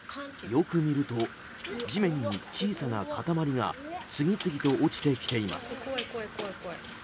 よく見ると、地面に小さな塊が次々と落ちてきています。